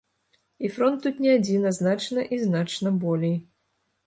І фронт тут не адзін, а значна і значна болей.